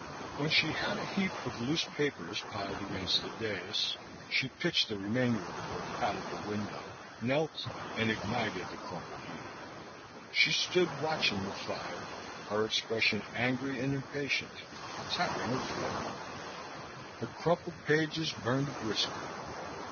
When she had a heap of loose papers piled against the dais she pitched the remainder of the book out of the window, knelt and ignited the crumpled heap. She stood watching the fire, her expression angry and impatient, tapping her foot. The crumpled pages burned briskly.